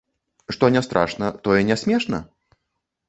Што не страшна, тое не смешна?